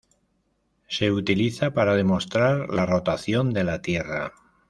Se utiliza para demostrar la rotación de la Tierra.